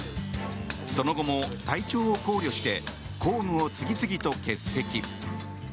その後も体調を考慮して公務を次々と欠席。